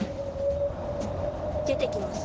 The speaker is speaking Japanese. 出てきます。